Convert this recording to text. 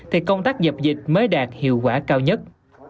thì công tác dập dịch mới đạt hiệu quả cao nhất